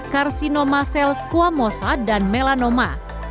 karsinoma sel squamosa dan melanoma